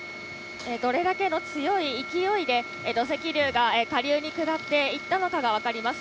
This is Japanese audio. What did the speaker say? どれだけの強い勢いで、土石流が下流に下っていったのかが分かります。